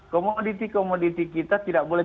komoditi komoditi kita tidak boleh